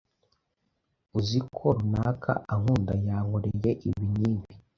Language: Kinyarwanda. Uzi ko runaka ankunda ! Yankoreye ibi n’ibi